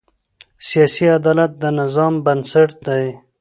سیاسي عدالت د نظام بنسټ دی